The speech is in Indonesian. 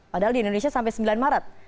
padahal di indonesia sampai sembilan maret